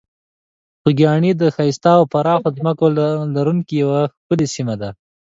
خوږیاڼي د ښایسته او پراخو ځمکو لرونکې یوه ښکلې سیمه ده.